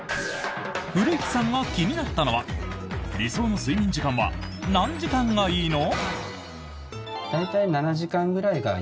古市さんが気になったのは理想の睡眠時間は何時間がいいの？